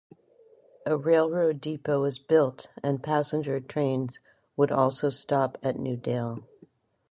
A railroad depot was built, and passengers trains would also stop at Newdale.